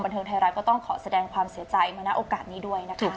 เทิงไทยรัฐก็ต้องขอแสดงความเสียใจมาณโอกาสนี้ด้วยนะคะ